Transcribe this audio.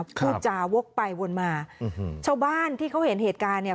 พูดจาวกไปวนมาชาวบ้านที่เขาเห็นเหตุการณ์เนี่ย